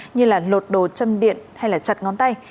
như lột đồ châm điện hay chặt ngón tay